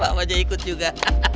papanya ikut juga